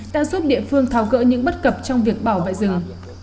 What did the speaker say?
đang giúp địa phương thao gỡ những bất cập trong việc bảo vệ rừng